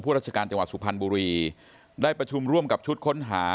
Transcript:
ราชการจังหวัดสุพรรณบุรีได้ประชุมร่วมกับชุดค้นหา